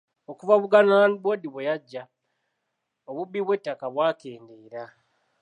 Okuva Buganda Land Board bwe yajja, obubbi bw'ettaka bwakendeera.